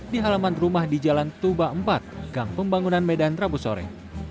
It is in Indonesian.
di halaman rumah di jalan tuba empat gang pembangunan medan rabu sore